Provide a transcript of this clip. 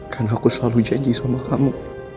karena aku selalu janji sama kamu